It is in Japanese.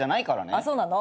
あっそうなの？